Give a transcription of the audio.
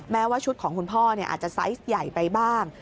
ว่าชุดของคุณพ่ออาจจะไซส์ใหญ่ไปบ้าง